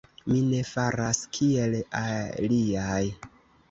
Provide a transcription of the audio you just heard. Mi ne faras, kiel aliaj.